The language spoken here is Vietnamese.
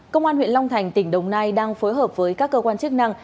công an huyện long thành tỉnh đồng nai đang phối hợp với các cơ quan chức năng